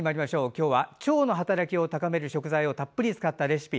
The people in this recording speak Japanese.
今日は腸の働きを高める食材をたっぷり使ったレシピ。